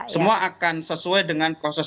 semua akan sesuai dengan proses